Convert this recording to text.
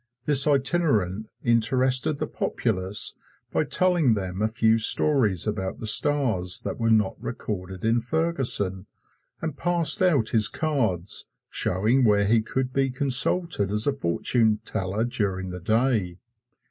This itinerant interested the populace by telling them a few stories about the stars that were not recorded in Ferguson, and passed out his cards showing where he could be consulted as a fortune teller during the day.